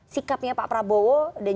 sikapnya pak prabowo dan